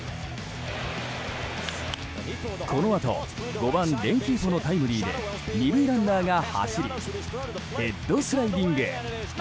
このあと５番、レンヒーフォのタイムリーで２塁ランナーが走りヘッドスライディング。